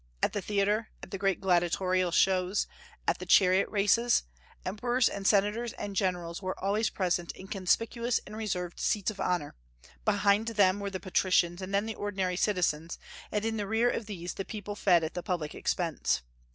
At the theatre, at the great gladiatorial shows, at the chariot races, emperors and senators and generals were always present in conspicuous and reserved seats of honor; behind them were the patricians, and then the ordinary citizens, and in the rear of these the people fed at the public expense.